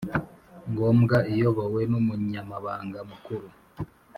Ngombwa iyobowe n umunyamabanga mukuru